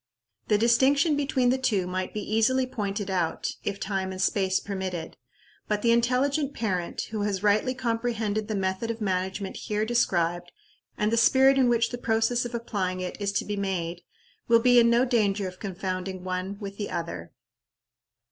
The distinction between the two might be easily pointed out, if time and space permitted; but the intelligent parent, who has rightly comprehended the method of management here described, and the spirit in which the process of applying it is to be made, will be in no danger of confounding one with the other.